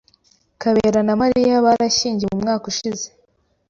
Kabera na Mariya barashyingiwe umwaka ushize.